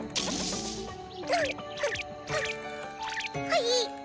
はい。